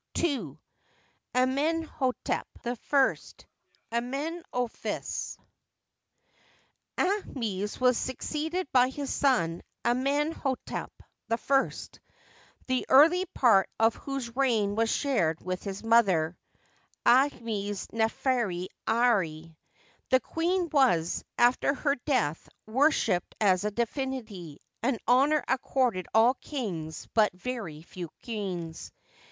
§ 2. Amenhdtep I {Amenophii), Aahmes was succeeded by his son, Amenh6tep I, the early part of whose reign was shared with his mother, Aahmes neferi ari, The queen was, after her death, wor shiped as a divinity, an honor accorded all kings but very few queens.